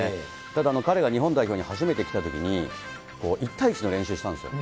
ただ彼が日本代表に初めて来たときに、１対１の練習したんですよ。